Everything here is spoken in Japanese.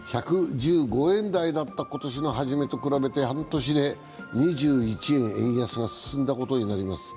１１５円台だった今年の初めと比べて、半年で２１円、円安が進んだことになります。